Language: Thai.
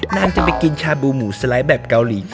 นางจะไปกินชาบูหมูสไลด์แบบเกาหลี